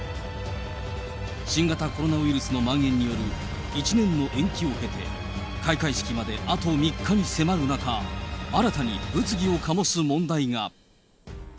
新型コロナウイルスのまん延による１年の延期を経て、開会式まであと３日に迫る中、新たに物議を醸す問題が。